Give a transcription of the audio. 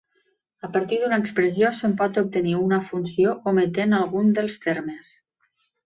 A partir d'una expressió se'n pot obtenir una funció ometent algun dels termes.